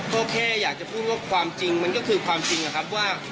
ก็แค่อยากจะพูดว่าความจริงมันก็คือความจริงนะครับว่า